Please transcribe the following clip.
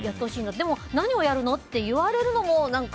でも、何をやるの？って言われるのも。